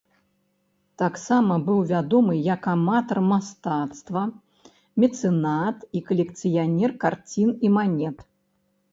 Таксама быў вядомы як аматар мастацтва, мецэнат і калекцыянер карцін і манет.